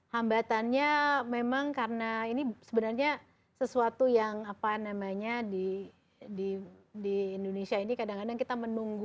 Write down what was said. hambatannya memang karena ini sebenarnya sesuatu yang apa namanya di indonesia ini kadang kadang kita menunggu